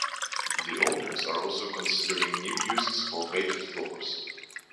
The owners are also considering new uses for vacant floors.